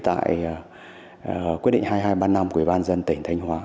tại quyết định hai nghìn hai trăm ba mươi năm của ủy ban dân tỉnh thanh hóa